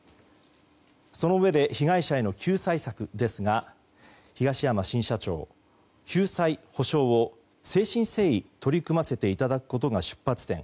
そのうえで被害者への救済策ですが東山新社長、救済・補償を誠心誠意取り組ませていただくことが出発点。